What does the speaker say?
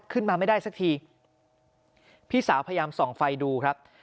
ขึ้นมาไม่ได้สักทีพี่สาวพยายามส่องไฟดูครับ